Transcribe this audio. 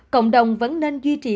cộng đồng vẫn nên duy trì